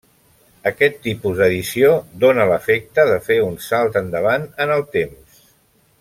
Aquest tipus d'edició dóna l'efecte de fer un salt endavant en el temps.